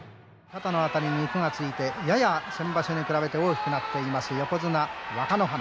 肩の辺りに肉がついてやや先場所に比べて大きくなっています、横綱若乃花。